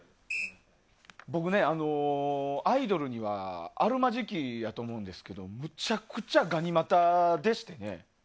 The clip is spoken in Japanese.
僕ねアイドルにはあるまじきやと思うんですけどめちゃくちゃがに股でしてね。